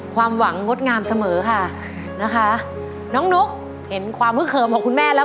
ความหวังงดงามเสมอค่ะนะคะน้องนุ๊กเห็นความฮึกเหิมของคุณแม่แล้ว